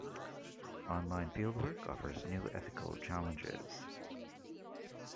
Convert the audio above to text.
Online fieldwork offers new ethical challenges.